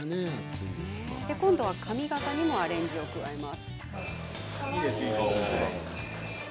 今度は髪形にもアレンジを加えて。